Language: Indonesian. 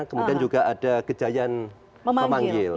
kemudian juga ada gejayan memanggil